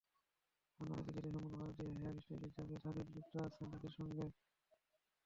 আন্তর্জাতিক খ্যাতিসম্পন্ন ভারতীয় হেয়ার স্টাইলিস্ট জাভেদ হাবিব যুক্ত আছেন তাঁদের সঙ্গে।